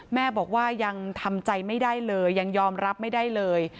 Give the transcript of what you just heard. แม่บอกว่ายังทำใจไม่ได้เลยยังยอมรับไม่ได้เลย